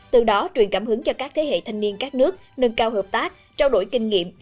từ đó truyền cảm hứng cho các thế hệ thanh niên các nước nâng cao hợp tác trao đổi kinh nghiệm